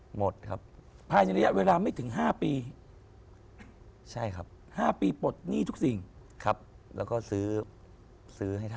หมดครับภายในระยะเวลาไม่ถึง๕ปีใช่ครับ๕ปีปลดหนี้ทุกสิ่งครับแล้วก็ซื้อซื้อให้ท่าน